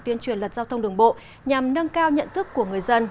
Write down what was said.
tuyên truyền lật giao thông đường bộ nhằm nâng cao nhận thức của người dân